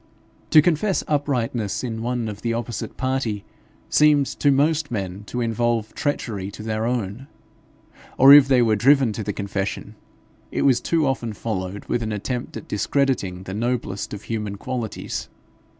To confess uprightness in one of the opposite party, seemed to most men to involve treachery to their own; or if they were driven to the confession, it was too often followed with an attempt at discrediting the noblest of human qualities.